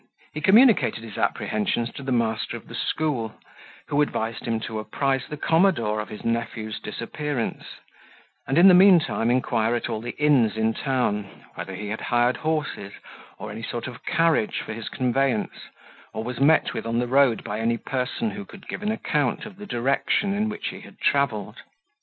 He communicated his apprehensions to the master of the school, who advised him to apprise the commodore of his nephew's disappearance, and in the mean time inquire at all the inns in town, whether he had hired horses, or any sort of carriage, for his conveyance, or was met with on the road by any person who could give an account of the direction in which he travelled.